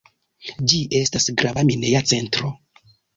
Ĝi estas grava mineja centro.